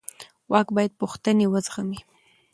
واک باید پوښتنې وزغمي